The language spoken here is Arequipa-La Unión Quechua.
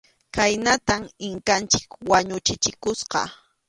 Khaynatam Inkanchik wañuchichikusqa.